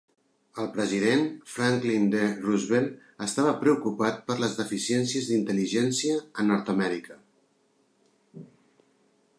El president Franklin D. Roosevelt estava preocupat per les deficiències d'intel·ligència a Nord-Amèrica.